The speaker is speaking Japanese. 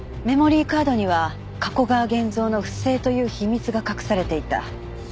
メモリーカードには加古川源蔵の不正という秘密が隠されていた。